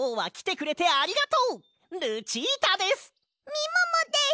みももです！